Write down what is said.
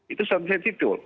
itu sangat sensitif